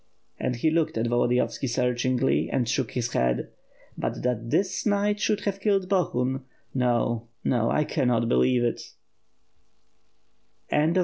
And he looked at Volodiyovski searchingly and shook his head. "But that this knight should have killed Bohun — ^no, no, I cannot believe if CHAPTER XX.